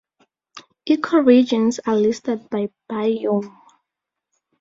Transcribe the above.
Ecoregions are listed by biome.